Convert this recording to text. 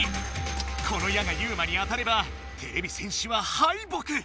この矢がユウマに当たればてれび戦士ははいぼく。